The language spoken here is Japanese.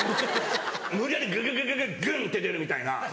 無理やりグググググン！って出るみたいな。